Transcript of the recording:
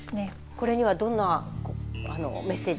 これにはどんなメッセージが？